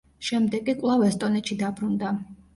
შემდეგ კი კვლავ ესტონეთში დაბრუნდა.